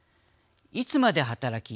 いつまで働き